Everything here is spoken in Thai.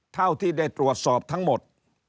เท่าที่ได้ตรวจสอบทั้งหมด